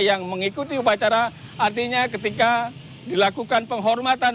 yang mengikuti upacara artinya ketika dilakukan penghormatan